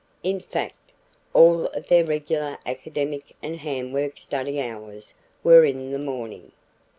In fact, all of their regular academic and handwork study hours were in the morning.